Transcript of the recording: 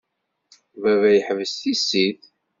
Baba yeḥbes tissit.